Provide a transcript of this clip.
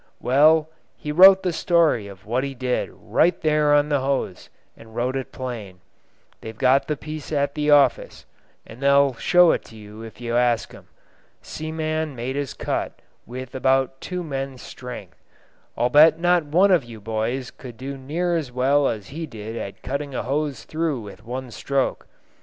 Well, he wrote the story of what he did right there on the hose, and wrote it plain. They've got the piece at the office, and they'll show it to you if you ask 'em. Seaman made his cut with about two men's strength; I'll bet not one of you boys could do near as well as he did at cutting a hose through with one stroke.